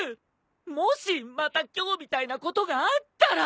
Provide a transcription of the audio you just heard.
もしまた今日みたいなことがあったら。